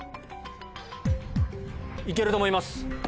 行けると思います。